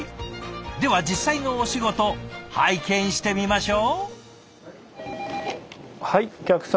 では実際のお仕事拝見してみましょう。